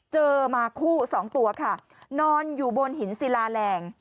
เจอมาคู่สองตัวค่ะนอนอยู่บนหินศิลาแรง